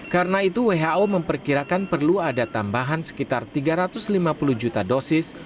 karena itu who memperkirakan perlu ada tambahan sekitar tiga ratus lima puluh juta dosis